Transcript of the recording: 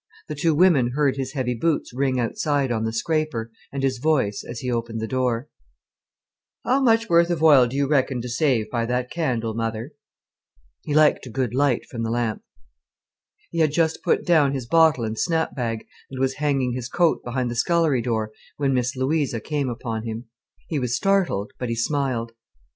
The two women heard his heavy boots ring outside on the scraper, and his voice as he opened the door: "How much worth of oil do you reckon to save by that candle, mother?" He liked a good light from the lamp. He had just put down his bottle and snap bag and was hanging his coat behind the scullery door, when Miss Louisa came upon him. He was startled, but he smiled.